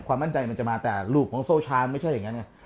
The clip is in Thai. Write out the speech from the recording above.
ความมั่นใจมันจะมาแต่รูปของโซชาไม่ใช่อย่างนั้นไง